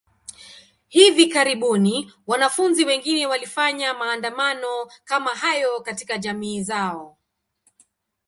Hivi karibuni, wanafunzi wengine walifanya maandamano kama hayo katika jamii zao.